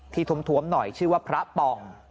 ท้มหน่อยชื่อว่าพระป่อง